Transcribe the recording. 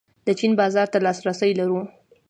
د چین بازار ته لاسرسی لرو؟